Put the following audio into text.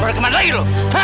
lu lari kemana lagi lu